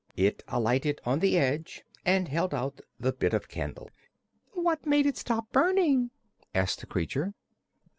It alighted on the edge and held out the bit of candle. "What made it stop burning?" asked the creature.